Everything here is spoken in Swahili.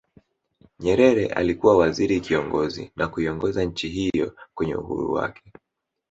Nyerere alikuwa Waziri Kiongozi na kuiongoza nchi hiyo kwenye uhuru wake